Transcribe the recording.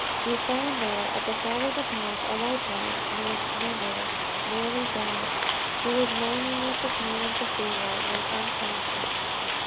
He found there, at the side of the path, a white man named Neville, nearly dead. He was moaning with the pain of the fever, yet unconscious.